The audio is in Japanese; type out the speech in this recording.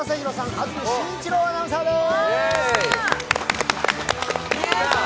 安住紳一郎アナウンサーです。